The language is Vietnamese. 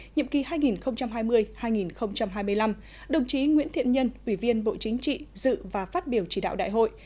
nhiệm kỳ hai nghìn hai mươi hai nghìn hai mươi năm đồng chí nguyễn thiện nhân ủy viên bộ chính trị dự và phát biểu chỉ đạo đại hội